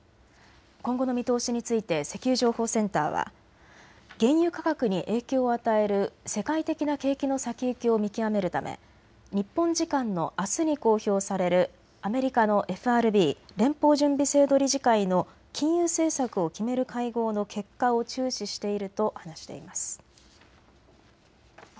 今後の見通しについて石油情報センターは、原油価格に影響を与える世界的な景気の先行きを見極めるため日本時間のあすに公表されるアメリカのＦＲＢ・連邦準備制度理事会の金融政策を決める会合の結果を注視していると話しています。